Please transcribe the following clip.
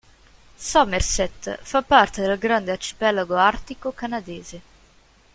Somerset fa parte del grande arcipelago artico canadese.